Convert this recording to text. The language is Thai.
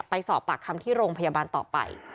ไปสอบปากคำที่โรงพยาบาลต่อไป